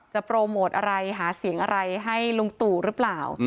โปรโมทอะไรหาเสียงอะไรให้ลุงตู่หรือเปล่า